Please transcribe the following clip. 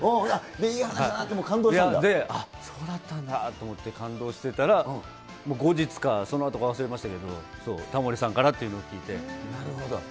いい話だなともう感動したんで、そうだったんだって感動してたら、後日か、そのあとか忘れましたけど、タモリさんからっていうのをなるほど。